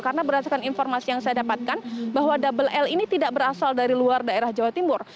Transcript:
karena berdasarkan informasi yang saya dapatkan bahwa double l ini tidak berasal dari luar daerah jawa timur